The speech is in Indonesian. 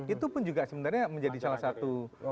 itu pun juga sebenarnya menjadi salah satu